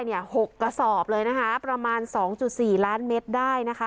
หกกระสอบเลยนะคะประมาณ๒๔ล้านเมตรได้นะคะ